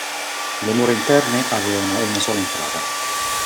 Le mura interne avevano una sola entrata.